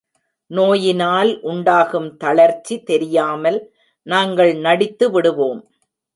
நோயினால் உண்டாகும் தளர்ச்சி தெரியாமல் நாங்கள் நடித்து விடுவோம்.